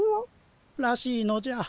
らしいのじゃ。